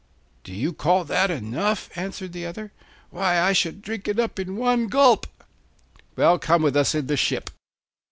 'Do you call that enough?' answered the other. 'Why, I should drink it up in one gulp.' 'Well, come with us in the ship.